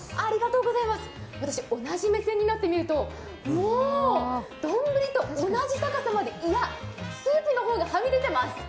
私、同じ目線になって見ると丼と同じ高さまでいや、スープの方がはみ出てます。